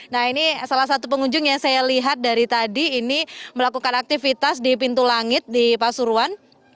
nah ini salah satu pengunjung yang saya lihat dari tadi ini melakukan aktivitas di pintu langit di pasuruan